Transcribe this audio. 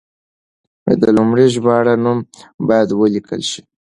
د لومړي ژباړن نوم باید ولیکل شي.